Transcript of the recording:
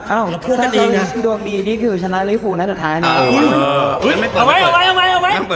เอ้าถ้าดวงดีนี่คือชนะลิฟุนะจุดท้ายนี้เอาไว้เอาไว้เอาไว้